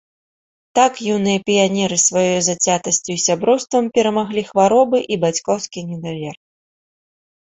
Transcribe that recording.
Так юныя піянеры сваёй зацятасцю і сяброўствам перамаглі хваробы і бацькоўскі недавер.